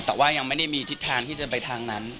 แต่ว่ายังไม่ได้มีทิศทางที่จะไปทางนั้น